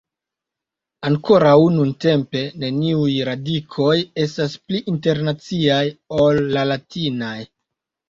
Ankoraŭ nuntempe, neniuj radikoj estas pli internaciaj ol la latinaj.